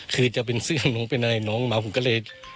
คือจะเป็นเสื้อน้องเป็นอะไรน้องมาผมก็เลย